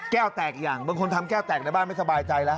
แตกอย่างบางคนทำแก้วแตกในบ้านไม่สบายใจแล้ว